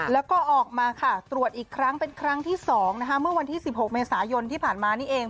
แล้วก็ออกมาค่ะตรวจอีกครั้งเป็นครั้งที่๒นะคะเมื่อวันที่๑๖เมษายนที่ผ่านมานี่เอง